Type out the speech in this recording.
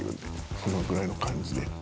そのぐらいの感じで。